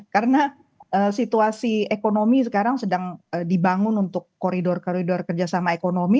karena situasi ekonomi sekarang sedang dibangun untuk koridor koridor kerjasama ekonomi